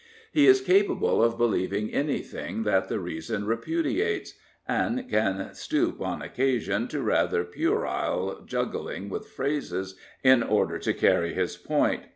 He is capable of believing any thing that the reason repudiates, and can stoop on occasion to rather puerile juggling with phrases in order to carry his point.